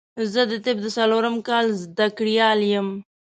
زه د طب د څلورم کال زده کړيال يم